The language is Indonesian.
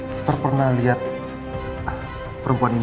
suster pernah lihat perempuan ini